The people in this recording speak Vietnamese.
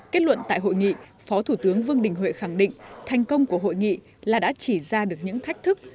kết luận tại hội nghị phó thủ tướng vương đình huệ khẳng định thành công của hội nghị là đã chỉ ra được những thách thức